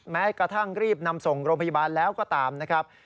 แม้กระทั่งรีบนำส่งโรงพยาบาลแล้วก็ตามนะครับ